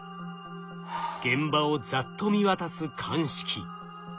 現場をざっと見渡す鑑識。